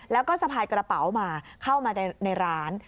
แล้วก็สะพายกระเป๋ามาเข้ามาในร้าน